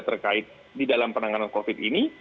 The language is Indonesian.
terkait di dalam penanganan covid ini